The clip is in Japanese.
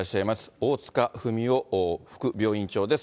大塚文男副病院長です。